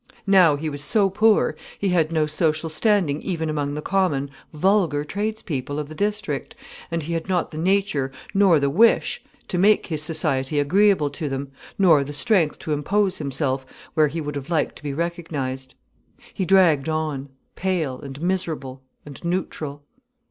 Now he was so poor, he had no social standing even among the common vulgar tradespeople of the district, and he had not the nature nor the wish to make his society agreeable to them, nor the strength to impose himself where he would have liked to be recognized. He dragged on, pale and miserable and neutral.